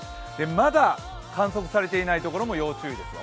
まだ観測されていないところも要注意ですよ。